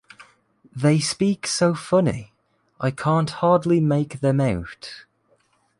They speak so funny, I can't hardly make them out.